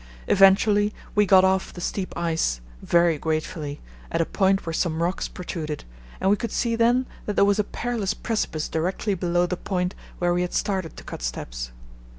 Eventually we got off the steep ice, very gratefully, at a point where some rocks protruded, and we could see then that there was a perilous precipice directly below the point where we had started to cut steps.